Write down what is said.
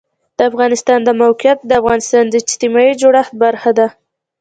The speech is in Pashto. د افغانستان د موقعیت د افغانستان د اجتماعي جوړښت برخه ده.